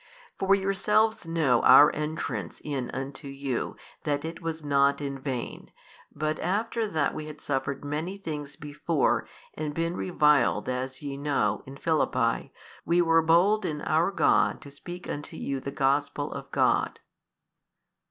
For yourselves know our entrance in unto you that it was not in vain, but after that we had suffered many things before and been reviled as ye know in Philippi, we were bold in our God to speak unto you the Gospel of God.